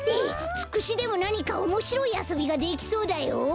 ツクシでもなにかおもしろいあそびができそうだよ。